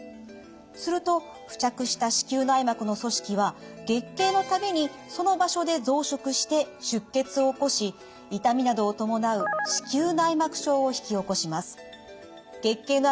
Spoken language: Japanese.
すると付着した子宮内膜の組織は月経の度にその場所で増殖して出血を起こし痛みなどを伴う子宮内膜症を引き起こします。